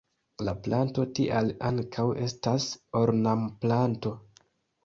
La planto tial ankaŭ estas ornamplanto.